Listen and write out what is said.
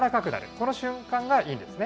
この瞬間がいいんですね。